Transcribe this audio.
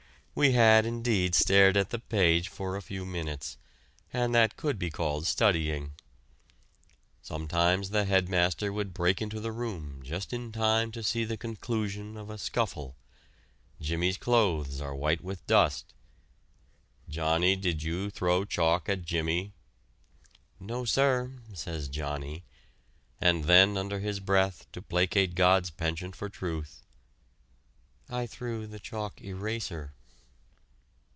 We had indeed stared at the page for a few minutes, and that could be called studying. Sometimes the head master would break into the room just in time to see the conclusion of a scuffle. Jimmy's clothes are white with dust. "Johnny, did you throw chalk at Jimmy?" "No, sir," says Johnny, and then under his breath to placate God's penchant for truth, "I threw the chalk eraser."